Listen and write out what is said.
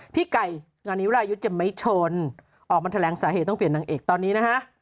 พี่ไก่นานิวรายุทธ์จะไม่ชนออกมาแถลงสาเหตุต้องเปลี่ยนนางเอกตอนนี้นะฮะ